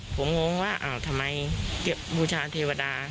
ผมงงว่าอ้าวทำไมบูชาเทวดา